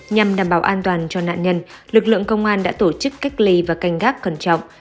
nhằm đảm bảo an toàn cho nạn nhân lực lượng công an đã tổ chức cách ly và canh gác cẩn trọng